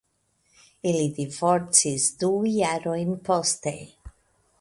Ili divorcis du jarojn poste.